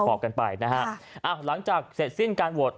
อบกันไปนะฮะหลังจากเสร็จสิ้นการโหวต